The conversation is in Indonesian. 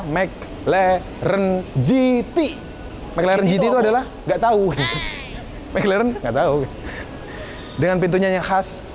mclaren gt mclaren gt itu adalah enggak tahu mclaren enggak tahu dengan pintunya khas